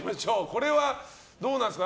これはどうなんですか？